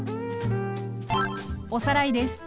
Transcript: おさらいです。